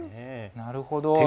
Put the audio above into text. なるほど。